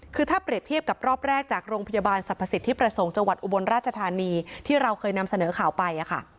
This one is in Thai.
คือถ้าเปรียบเทียบกับรอบแรกจากโรงพิบันสรรพสิทธิประสงค์จบราชทานีที่เคยนำเสนอข่าวไป